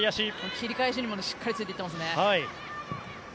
切り返しにもついていってますね。